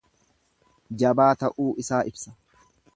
Jabaa ta'uu isaa ibsa.